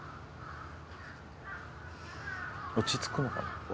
落ち着くのかな。